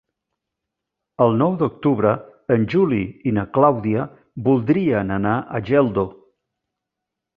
El nou d'octubre en Juli i na Clàudia voldrien anar a Geldo.